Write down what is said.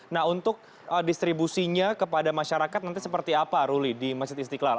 nah untuk distribusinya kepada masyarakat nanti seperti apa ruli di masjid istiqlal